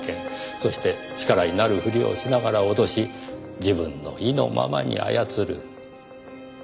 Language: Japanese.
そして力になるふりをしながら脅し自分の意のままに操る。